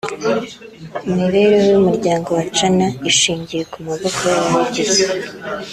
Imibereho y’Umuryango wa Chana ishingiye ku maboko y’abawugize